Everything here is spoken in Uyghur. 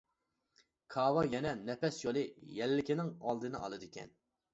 كاۋا يەنە نەپەس يولى يەللىكىنىڭ ئالدىنى ئالىدىكەن.